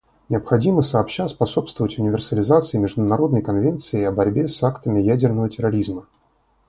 Необходимо сообща способствовать универсализации Международной конвенции о борьбе с актами ядерного терроризма.